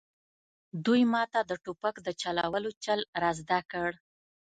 دوی ماته د ټوپک د چلولو چل را زده کړ